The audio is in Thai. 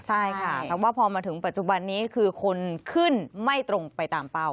ใช่ค่ะแต่ว่าพอมาถึงปัจจุบันนี้คือคนขึ้นไม่ตรงไปตามเป้า